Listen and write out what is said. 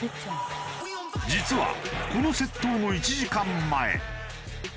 実はこの窃盗の１時間前。